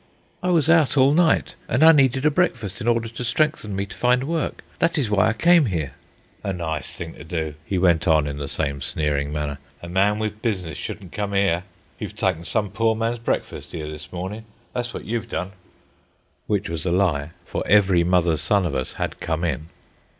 "I was out all night, and I needed a breakfast in order to strengthen me to find work. That is why I came here." "A nice thing to do," he went on in the same sneering manner. "A man with business shouldn't come 'ere. You've tyken some poor man's breakfast 'ere this morning, that's wot you've done." Which was a lie, for every mother's son of us had come in.